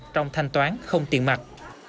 trong thanh toán không tiền mặt